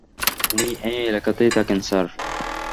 উনি এই এলাকাতেই থাকেন, স্যার।